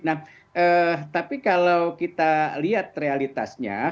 nah tapi kalau kita lihat realitasnya